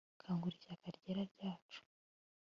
kangura ishyaka ryera, ryacu